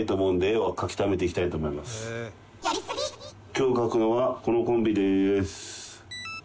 今日描くのはこのコンビです。